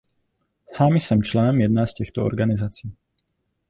Sám jsem členem jedné z těchto organizací.